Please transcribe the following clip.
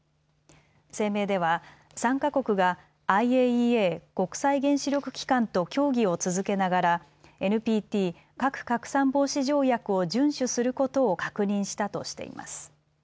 声明では３か国がＩＡＥＡ・国際原子力機関と協議を続けながらＮＰＴ・核拡散防止条約を順守することを確認したとしています。